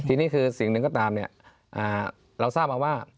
ทีนี้คือสิ่งนึงก็ตามเราทราบมาว่า